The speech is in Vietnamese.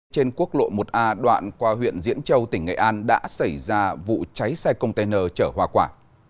trên quốc lộ một a đoạn qua huyện diễn châu tỉnh nghệ an đã xảy ra vụ cháy xe container chở hòa quả